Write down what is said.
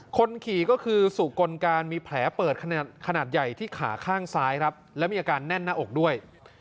คนขี่ก็คือสุกลการมีแผลเปิดขนาดใหญ่ที่ขาข้างซ้ายครับและมีอาการแน่นหน้าอกด้วย